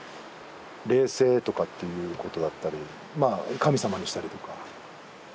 霊性とかっていうことだったりまあ神様にしたりとか。